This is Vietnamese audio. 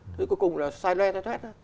thứ cuối cùng là sai le thoát thoát